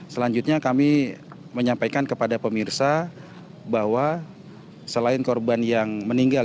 selanjutnya kami menyampaikan kepada pemirsa bahwa selain korban yang meninggal